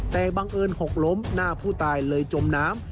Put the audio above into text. แต่บังเอิญหกล้มหน้าผู้ตายเลยจมน้ำ